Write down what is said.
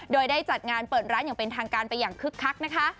โดยได้จัดงานเปิดร้านอย่างเป็นทางการไปอย่างคึกคักนะคะ